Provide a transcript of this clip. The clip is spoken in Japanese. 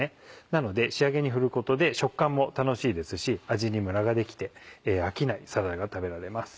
なので仕上げに振ることで食感も楽しいですし味にムラができて飽きないサラダが食べられます。